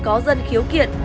có dân khiếu kiện